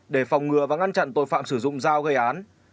để phòng ngừa và ngăn chặn tội phạm sử dụng dao gây án